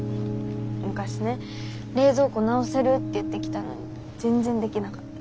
昔ね冷蔵庫直せるって言って来たのに全然できなかった。